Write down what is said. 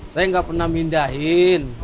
saya gak pernah mindahin